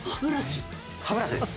歯ブラシです。